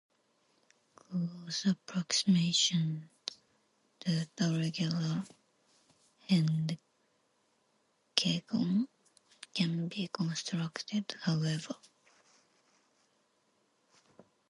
Close approximations to the regular hendecagon can be constructed, however.